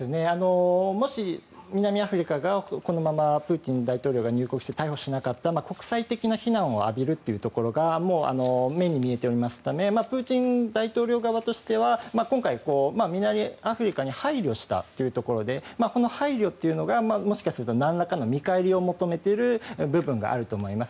もし、南アフリカがこのままプーチン大統領が入国して逮捕しなかったら国際的な非難を浴びるというところが目に見えておりますためプーチン大統領側としては今回、南アフリカに配慮したというところでこの配慮というのがもしかするとなんらかの見返りを求めている部分があると思います。